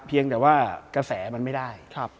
เพียงแต่ว่ากระแสมันไม่ได้